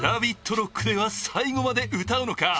ＲＯＣＫでは最後まで歌うのか。